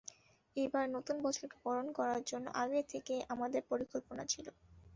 এবার নতুন বছরকে বরণ করার জন্য আগে থেকেই আমাদের পরিকল্পনা ছিল।